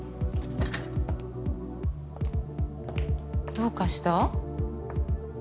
どうかした？